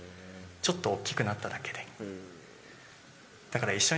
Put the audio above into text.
ちょっと大きくなっただけで。